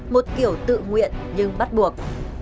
một kiểu tự nguyện nhưng bắt buộc